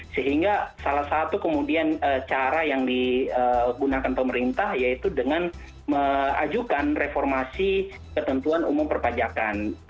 sehingga salah satu kemudian cara yang digunakan pemerintah yaitu dengan mengajukan reformasi ketentuan umum perpajakan